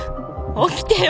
起きてよ！